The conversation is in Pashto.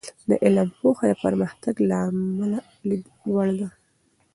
د علم پوهه د پرمختګ د لامله د لید وړ ده.